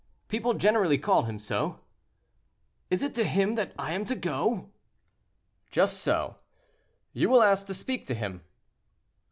"People generally call him so." "Is it to him that I am to go?" "Just so. You will ask to speak to him."